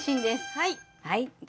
はい。